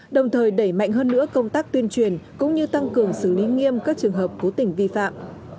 đồng thời đẩy mạnh hơn nữa công tác tuyên truyền cũng như tăng cường xử lý nghiêm các trường hợp cố tình vi phạm